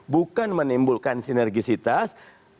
bukan menimbulkan sinergisitas